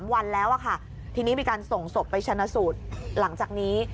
วันแล้วค่ะทีนี้มีการส่งศพไปชนะสูตรหลังจากนี้